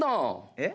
えっ？